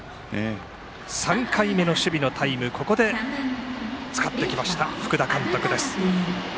３回目の守備のタイムをここで使ってきました福田監督です。